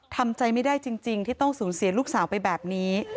ทำใจไม่ได้จริงที่ต้องสูญเสียลูกสาวไปแบบนี้